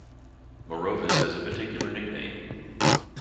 Morovis has a particular nickname.